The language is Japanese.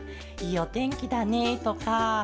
「いいおてんきだね」とか